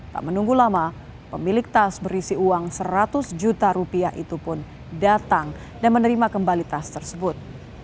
tak menunggu lama pemilik tas berisi uang seratus juta rupiah itu pun datang dan menerima kembali tas tersebut